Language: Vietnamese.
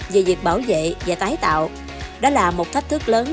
về việc bảo vệ và tái tạo đó là một thách thức lớn